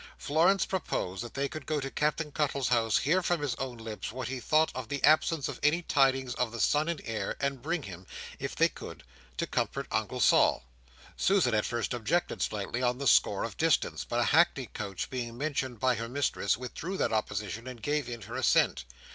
Florence proposed that they could go to Captain Cuttle's house; hear from his own lips, what he thought of the absence of any tidings of the Son and Heir; and bring him, if they could, to comfort Uncle Sol. Susan at first objected slightly, on the score of distance; but a hackney coach being mentioned by her mistress, withdrew that opposition, and gave in her assent.